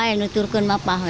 itu tidak ada apa apa